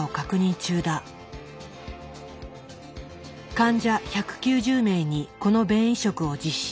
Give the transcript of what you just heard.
患者１９０名にこの便移植を実施。